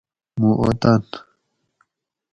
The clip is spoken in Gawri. موں اوطن